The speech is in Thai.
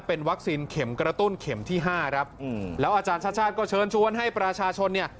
เป็นวัคซีนเข็มกระตุ้นเข็มที่๕แล้วอาจารย์ชัดก็เชิญชวนให้ประชาชน